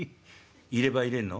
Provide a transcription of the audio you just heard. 「入れ歯入れんの？」。